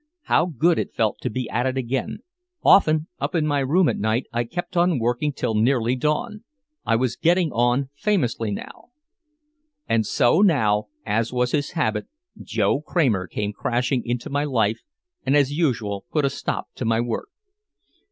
How good it felt to be at it again. Often up in my room at night I kept on working till nearly dawn. I was getting on famously now. And so now, as was his habit, Joe Kramer came crashing into my life and as usual put a stop to my work.